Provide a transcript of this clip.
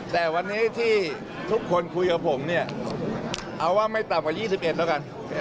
แต่วันนี้ที่ทุกคนคุยกับผมเนี่ยเอาว่าไม่ต่ำกว่า๒๑แล้วกัน